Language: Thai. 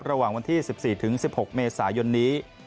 ระหว่างวันที่๑๔๑๖เมษายนนี้